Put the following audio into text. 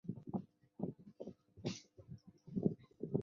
其前身是近代中国历史最为悠久的大学之一。